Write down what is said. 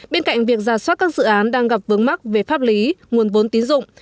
bên cạnh việc giả soát các dự án đang gặp vướng mắc về pháp lý nguồn vốn tín dụng